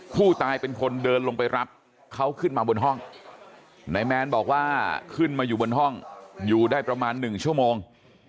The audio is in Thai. ผู้ตายเป็นคนเดินลงไปรับเขาขึ้นมาบนห้องนายแมนบอกว่าขึ้นมาอยู่บนห้องอยู่ได้ประมาณ๑ชั่วโมง